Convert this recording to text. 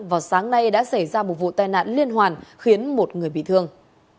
vào sáng nay đã xảy ra một vụ tai nạn liên hoàn khiến một người bị thương